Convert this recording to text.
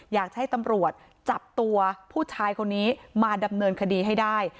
อยากให้ตำรวจจับตัวผู้ชายคนนี้มาดำเนินคดีให้ได้